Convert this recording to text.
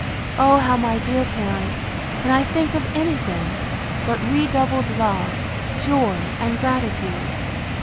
—O how, my dear parents, can I think of any thing, but redoubled love, joy, and gratitude!